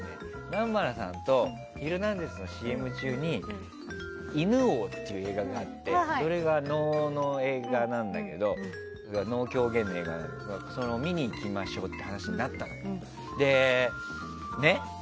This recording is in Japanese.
南原さんと「ヒルナンデス！」のＣＭ中に「犬王」っていう映画があって能・狂言の映画なんだけど見に行きましょうっていう話になったのね。